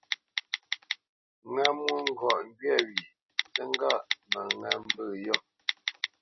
Ŋá mwôŋgɔʼ ŋgywâ wye, nzí ŋgâʼ mə ŋá mbə̂ yô.